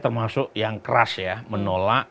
termasuk yang keras ya menolak